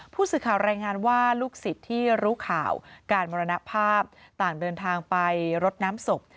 ผู้สื่อข่าวรายงานว่าลูกศิษย์ที่รู้ข่าวการมรณภาพต่างเดินทางไปรดน้ำศพ